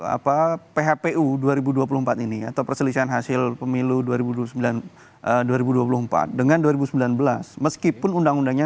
apa phpu dua ribu dua puluh empat ini atau perselisihan hasil pemilu dua ribu dua puluh empat dengan dua ribu sembilan belas meskipun undang undangnya